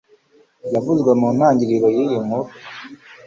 yavuzwe mu ntangiriro y'iyi nkuru.